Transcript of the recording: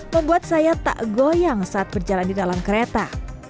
membuat saya tak goyang saat berjalan di dalam kereta